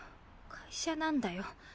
会社なんだよ。